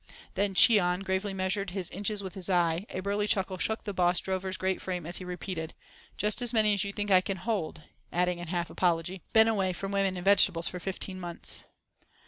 Then, as Cheon gravely measured his inches with his eye, a burly chuckle shook the boss drover's great frame as he repeated: "Just as many as you think I can hold," adding in half apology: "been away from women and vegetables for fifteen months."